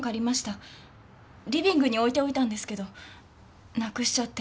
リビングに置いておいたんですけどなくしちゃって。